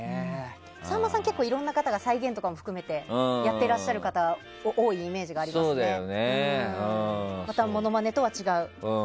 さんまさん、結構いろんな方が再現も含めてやってらっしゃる方が多いイメージがありますよね。